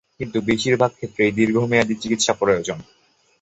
কিন্তু বেশির ভাগ ক্ষেত্রেই দীর্ঘমেয়াদি চিকিৎসা প্রয়োজন।